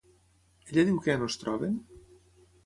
Ella diu que ja no es troben?